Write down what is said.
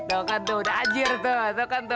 tuh kan tuh udah ajar tuh